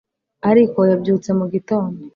ariko yabyutse mu gitondo